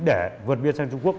để vượt biên sang trung quốc